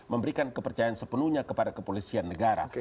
memberikan kepercayaan sepenuhnya kepada kepolisian negara